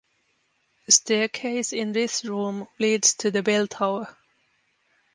A staircase in this room leads to the bell tower.